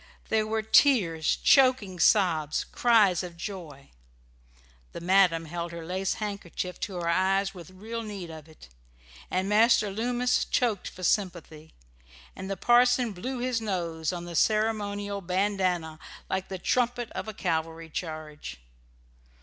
There were tears, choking sobs, cries of joy. The madam held her lace handkerchief to her eyes with real need of it; Master Loomis choked for sympathy; and the parson blew his nose on the ceremonial bandanna like the trumpet of a cavalry charge.